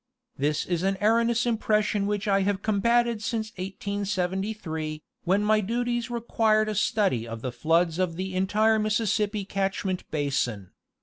This is an erroneous impres sion which I have combatted since 18738, when my duties required a study of the floods of the entire Mississippi catchment basin.